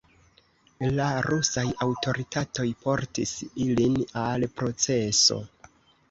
La rusaj aŭtoritatoj portis ilin al proceso.